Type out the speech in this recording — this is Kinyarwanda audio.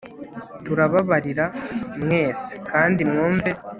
Turababarira mwese kandi mwumve